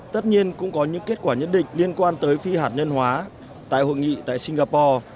tất nhiên cũng có những kết quả nhất định liên quan tới phi hạt nhân hóa tại hội nghị tại singapore